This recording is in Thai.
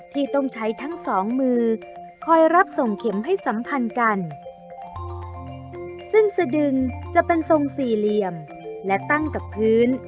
ที่ต้องใช้ทั้งสองมือคอยรับส่งเข็มให้สัมพันธ์กันซึ่งสดึงจะเป็นทรงสี่เหลี่ยมและตั้งกับพื้น